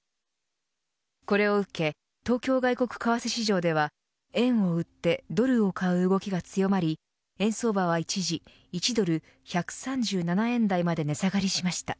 これを受け東京外国為替市場では円を売ってドルを買う動きが強まり円相場は一時１ドル１３７円台まで値下がりしました。